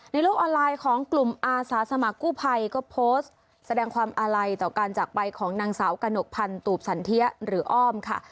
โลกออนไลน์ของกลุ่มอาสาสมัครกู้ภัยก็โพสต์แสดงความอาลัยต่อการจากไปของนางสาวกระหนกพันธ์ตูบสันเทียหรืออ้อมค่ะ